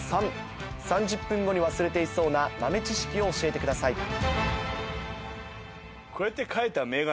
３０分後に忘れていそうな豆知識を教えてください。